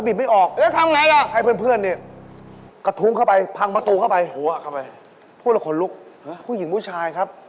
พอไปถึงเชื่อไหม